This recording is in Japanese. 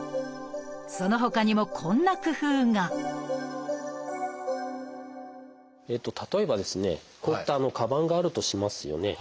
そのほかにもこんな工夫が例えばですねこういったかばんがあるとしますよね。